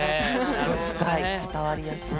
すごい深い伝わりやすい。